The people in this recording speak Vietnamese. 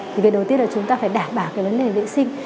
thì việc đầu tiên là chúng ta phải đảm bảo cái vấn đề vệ sinh